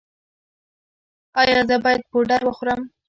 ایا زه باید پوډر وخورم؟